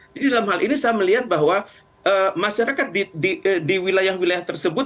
jadi dalam hal ini saya melihat bahwa masyarakat di wilayah wilayah tersebut